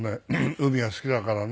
海が好きだからね